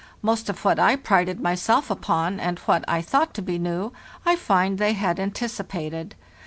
Most of what I prided myself upon, and what I thought to be new, I find they had anticipated.